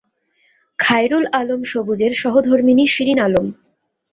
খায়রুল আলম সবুজের সহধর্মিণী শিরীন আলম।